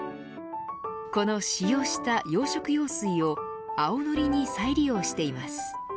この使用した養殖用水をアオノリに再利用しています。